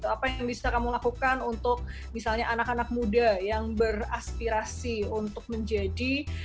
apa yang bisa kamu lakukan untuk misalnya anak anak muda yang beraspirasi untuk menjadi